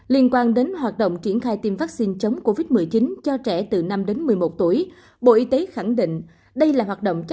liên quan đến hoạt động triển khai tiêm vaccine chống covid một mươi chín cho trẻ từ năm đến một mươi một tuổi bộ y tế khẳng định